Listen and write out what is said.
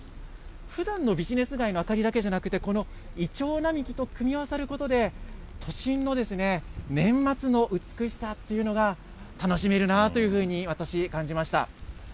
ふだんのビジネス街の明かりだけじゃなくて、このいちょう並木と組み合わさることで、都心の年末の美しさっていうのが、楽しめるなというふうに、私感じました。